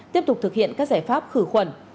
tiếp tục thực hiện các giải pháp khử khuẩn